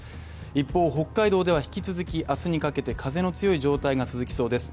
一方、北海道では、引き続き明日にかけて風の強い状態が続きそうです。